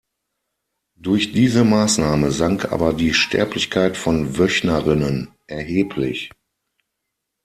Durch diese Maßnahme sank aber die Sterblichkeit von Wöchnerinnen erheblich.